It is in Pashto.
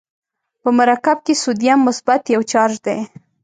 په مرکب کې سودیم مثبت یو چارج دی.